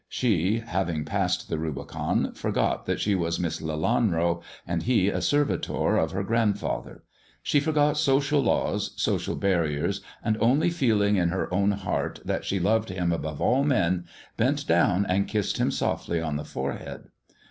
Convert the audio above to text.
She, having passed the Rubicon, forgot that she was Miss Leianro and he a servitor of her grandfather ; she forgot social laws, social barriers, and, only feeling in her own heart that she loved him above all men, bent down and kissed him softly on the forehead.